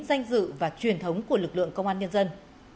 danh dự và truyền thống của lực lượng công an nhân dân